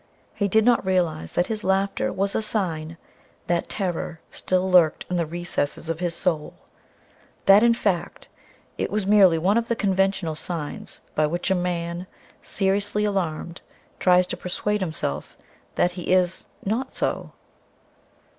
He did not realize that this laughter was a sign that terror still lurked in the recesses of his soul that, in fact, it was merely one of the conventional signs by which a man, seriously alarmed, tries to persuade himself that he is not so.